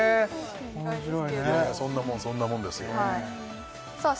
面白いねそんなもんそんなもんですよさあ